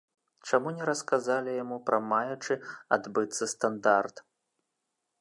Чаму не расказалі яму пра маючы адбыцца стандарт?